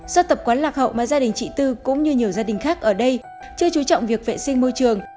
do tập quán lạc hậu mà gia đình chị tư cũng như nhiều gia đình khác ở đây chưa chú trọng việc vệ sinh môi trường